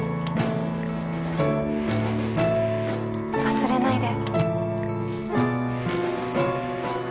忘れないで。